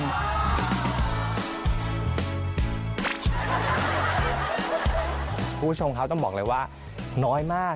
คุณผู้ชมครับต้องบอกเลยว่าน้อยมาก